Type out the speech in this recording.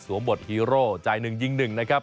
สวมบทธิ์ฮีโร่จ่ายหนึ่งยิงหนึ่งนะครับ